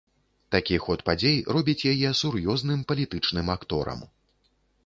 Такі ход падзей робіць яе сур'ёзным палітычным акторам.